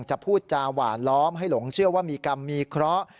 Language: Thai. พูดจาหวานล้อมให้หลงเชื่อว่ามีกรรมมีเคราะห์